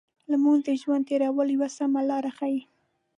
لمونځ د ژوند تېرولو یو سمه لار ښيي.